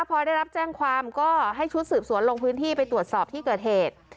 พอได้รับแจ้งความก็ให้ชุดสืบสวนลงพื้นที่ไปตรวจสอบที่เกิดเหตุ